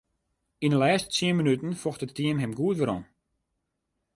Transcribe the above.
Yn 'e lêste tsien minuten focht it team him goed werom.